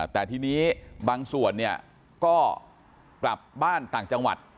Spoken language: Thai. แต่ทีนี้บางส่วนเนี่ยก็กลับบ้านต่างจังหวัด